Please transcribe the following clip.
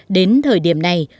đến thời điểm này